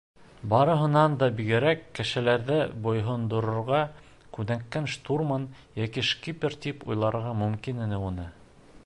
Барыһынан да бигерәк, кешеләрҙе буйһондорорға күнеккән штурман йәки шкипер тип уйларға мөмкин ине уны.